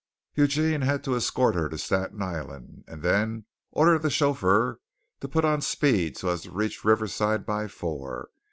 Eugene had to escort her to Staten Island and then order the chauffeur to put on speed so as to reach Riverside by four.